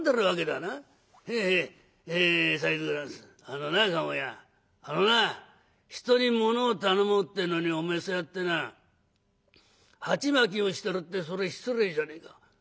「あのな駕籠屋あのな人にものを頼もうってのにおめえそうやってな鉢巻きをしてるってそれ失礼じゃねえか」。